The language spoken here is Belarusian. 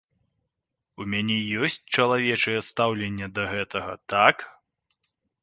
У мяне ёсць чалавечае стаўленне да гэтага, так?